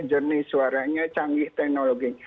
jernih suaranya canggih teknologi